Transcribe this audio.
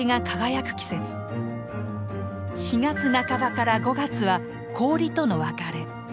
４月半ばから５月は「氷との別れ」。